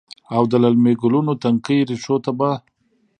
او د للمې ګلونو، تنکۍ ریښو ته به،